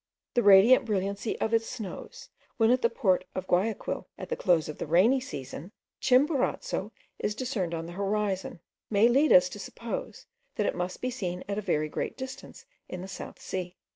The radiant brilliancy of its snows, when, at the port of Guayaquil, at the close of the rainy season, Chimborazo is discerned on the horizon, may lead us to suppose, that it must be seen at a very great distance in the South Sea.